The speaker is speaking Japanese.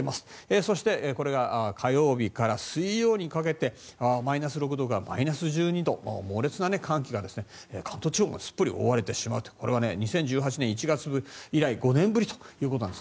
そして、これが火曜日から水曜にかけてマイナス６度からマイナス１２度猛烈な寒気が関東地方まですっぽり覆われてしまうというこれは２０１８年１月以来５年ぶりということです。